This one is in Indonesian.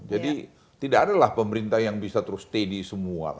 jadi tidak adalah pemerintah yang bisa terus steady semua